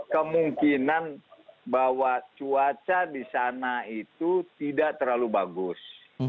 kemungkinan bahwa cuaca di sana itu tidak terlalu bagus